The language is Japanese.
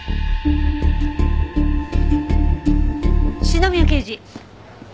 篠宮刑事。